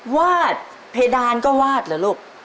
วาดเพดานก็วาดเหรอลูก